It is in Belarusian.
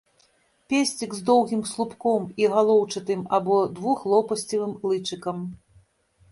Песцік з доўгім слупком і галоўчатым або двухлопасцевым лычыкам.